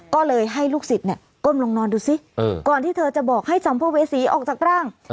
ก็เลยให้ลูกศิษย์ก้มลงนอนดูซิก่อนที่เธอจะบอกให้สัมภเวษีออกจากร่าง